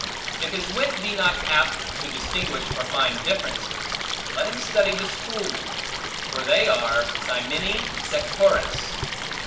If his wit be not apt to distinguish or find differences, let him study the Schoolmen; for they are cymini sectores.